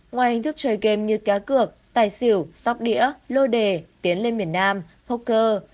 ngoài hình thức chơi game như cá cược tài xỉu sóc đĩa lô đề tiến lên miền nam poker